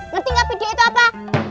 ngerti gak video itu apa